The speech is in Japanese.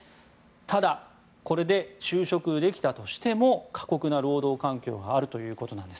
ただ、これで就職できたとしても過酷な労働環境があるということです。